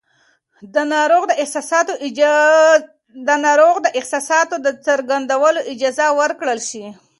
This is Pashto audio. د ناروغ د احساساتو څرګندولو اجازه ورکړل شي.